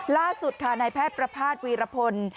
ล่าสุดค่ะนายแพทย์ประภาษณวีรพล